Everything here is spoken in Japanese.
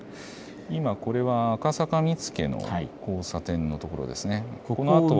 今、これは赤坂見附の交差点の所ですね。